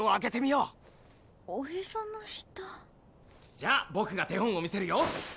じゃあぼくが手本を見せるよ。